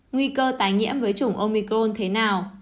nguy cơ tái nhiễm với chủng omicron thế nào